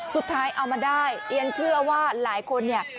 สุดท้ายเอามาได้เรียนเชื่อว่าหลายคนเนี่ย